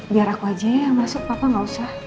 biar aku aja yang masuk papa nggak usah